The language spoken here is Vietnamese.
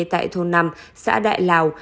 tại thôn năm xã đại lào